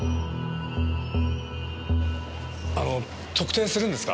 あの特定するんですか？